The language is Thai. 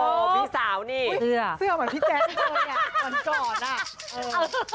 พี่สาวนี่เสื้อเหมือนพี่แจ๊คเลยอ่ะวันก่อนอ่ะเออ